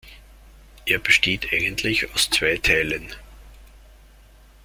Er besteht eigentlich aus zwei Teilen.